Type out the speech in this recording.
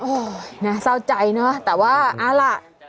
โอ้โหน่าเศร้าใจเนอะแต่ว่าเอาล่ะ